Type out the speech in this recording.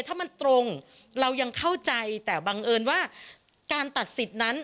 ถ้ามันตรงเรายังเข้าใจแต่บังเอิญว่าการตัดสิทธิ์นั้น